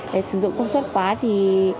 để sử dụng công suất quá thì